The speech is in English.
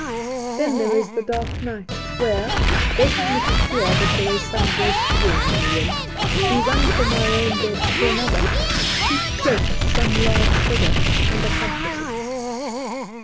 Then there is a dark night, where, waking with a fear that there is some great being in the room, we run from our own bed to another, creep close to some large figure, and are comforted.